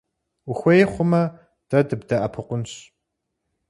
Ухуей хъумэ, дэ дыбдэӀэпыкъунщ.